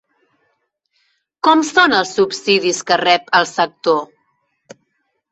Com són els subsidis que rep el sector?